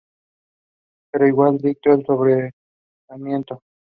Pero igual dictó el sobreseimiento.